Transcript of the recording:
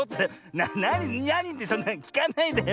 なにってそんなきかないでよ。